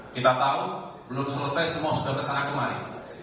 kita tahu belum selesai semua sudah kesana kemari